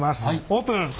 オープン。